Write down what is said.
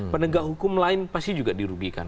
penegak hukum lain pasti juga dirugikan